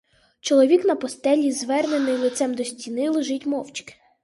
Чоловік на постелі, звернений лицем до стіни, лежить мовчки.